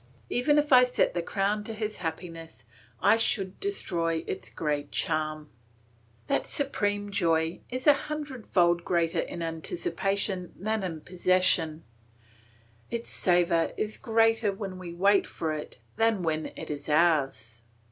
Even if I set the crown to his happiness I should destroy its greatest charm. That supreme joy is a hundredfold greater in anticipation than in possession; its savour is greater while we wait for it than when it is ours.